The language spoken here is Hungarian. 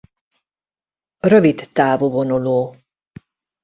Rövidtávú vonuló.